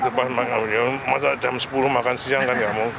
oh itu pas makan siang masa jam sepuluh makan siang kan enggak mungkin